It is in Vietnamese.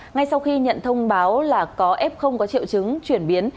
ngay sau khi nhận thông báo là có f có triệu chứng chuyển biến